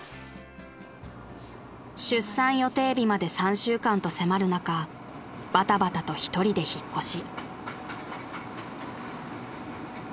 ［出産予定日まで３週間と迫る中ばたばたとひとりで引っ越し］